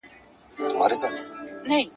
سفرونه به روان وي او زموږ پلونه به هیریږي ..